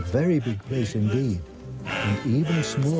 เพราะลอนดอนเป็นที่ใหญ่ที่สุด